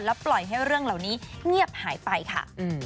ปล่อยให้เรื่องเหล่านี้เงียบหายไปค่ะ